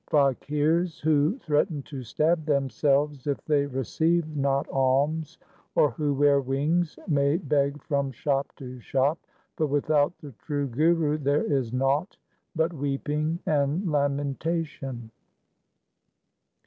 Faqirs who threaten to stab themselves if they receive not alms or who wear wings, may beg from shop to shop, but without the true Guru there is naught but weeping and lamentation.